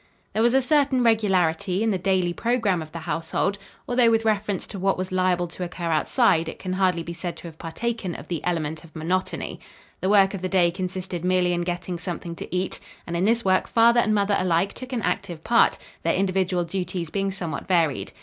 There was a certain regularity in the daily program of the household, although, with reference to what was liable to occur outside, it can hardly be said to have partaken of the element of monotony. The work of the day consisted merely in getting something to eat, and in this work father and mother alike took an active part, their individual duties being somewhat varied.